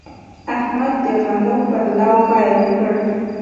احمد د غنو پر لو پیل ګډ کړ.